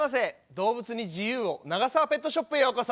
動物に自由を永沢ペットショップへようこそ。